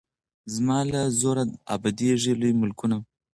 زما له زوره ابادیږي لوی ملکونه